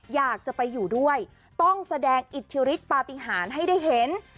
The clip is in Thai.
อยากจะไปอยู่ด้วยต้องแสดงอิทธิฤทธิปฏิหารให้ได้เห็น